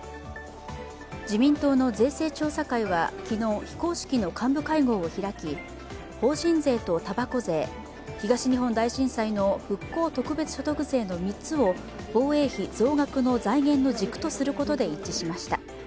自民党の税制調査会は昨日非公式の幹部会合を開き法人税とたばこ税、東日本大震災の復興特別所得税を防衛費増額の財源の軸とすることで一致しました。